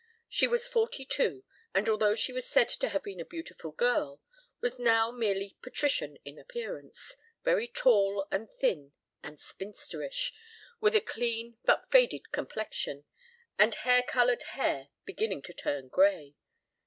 She was forty two, and, although she was said to have been a beautiful girl, was now merely patrician in appearance, very tall and thin and spinsterish, with a clean but faded complexion, and hair colored hair beginning to turn gray.